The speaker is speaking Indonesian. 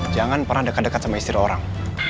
jangan pernah dekat dekat sama istri orang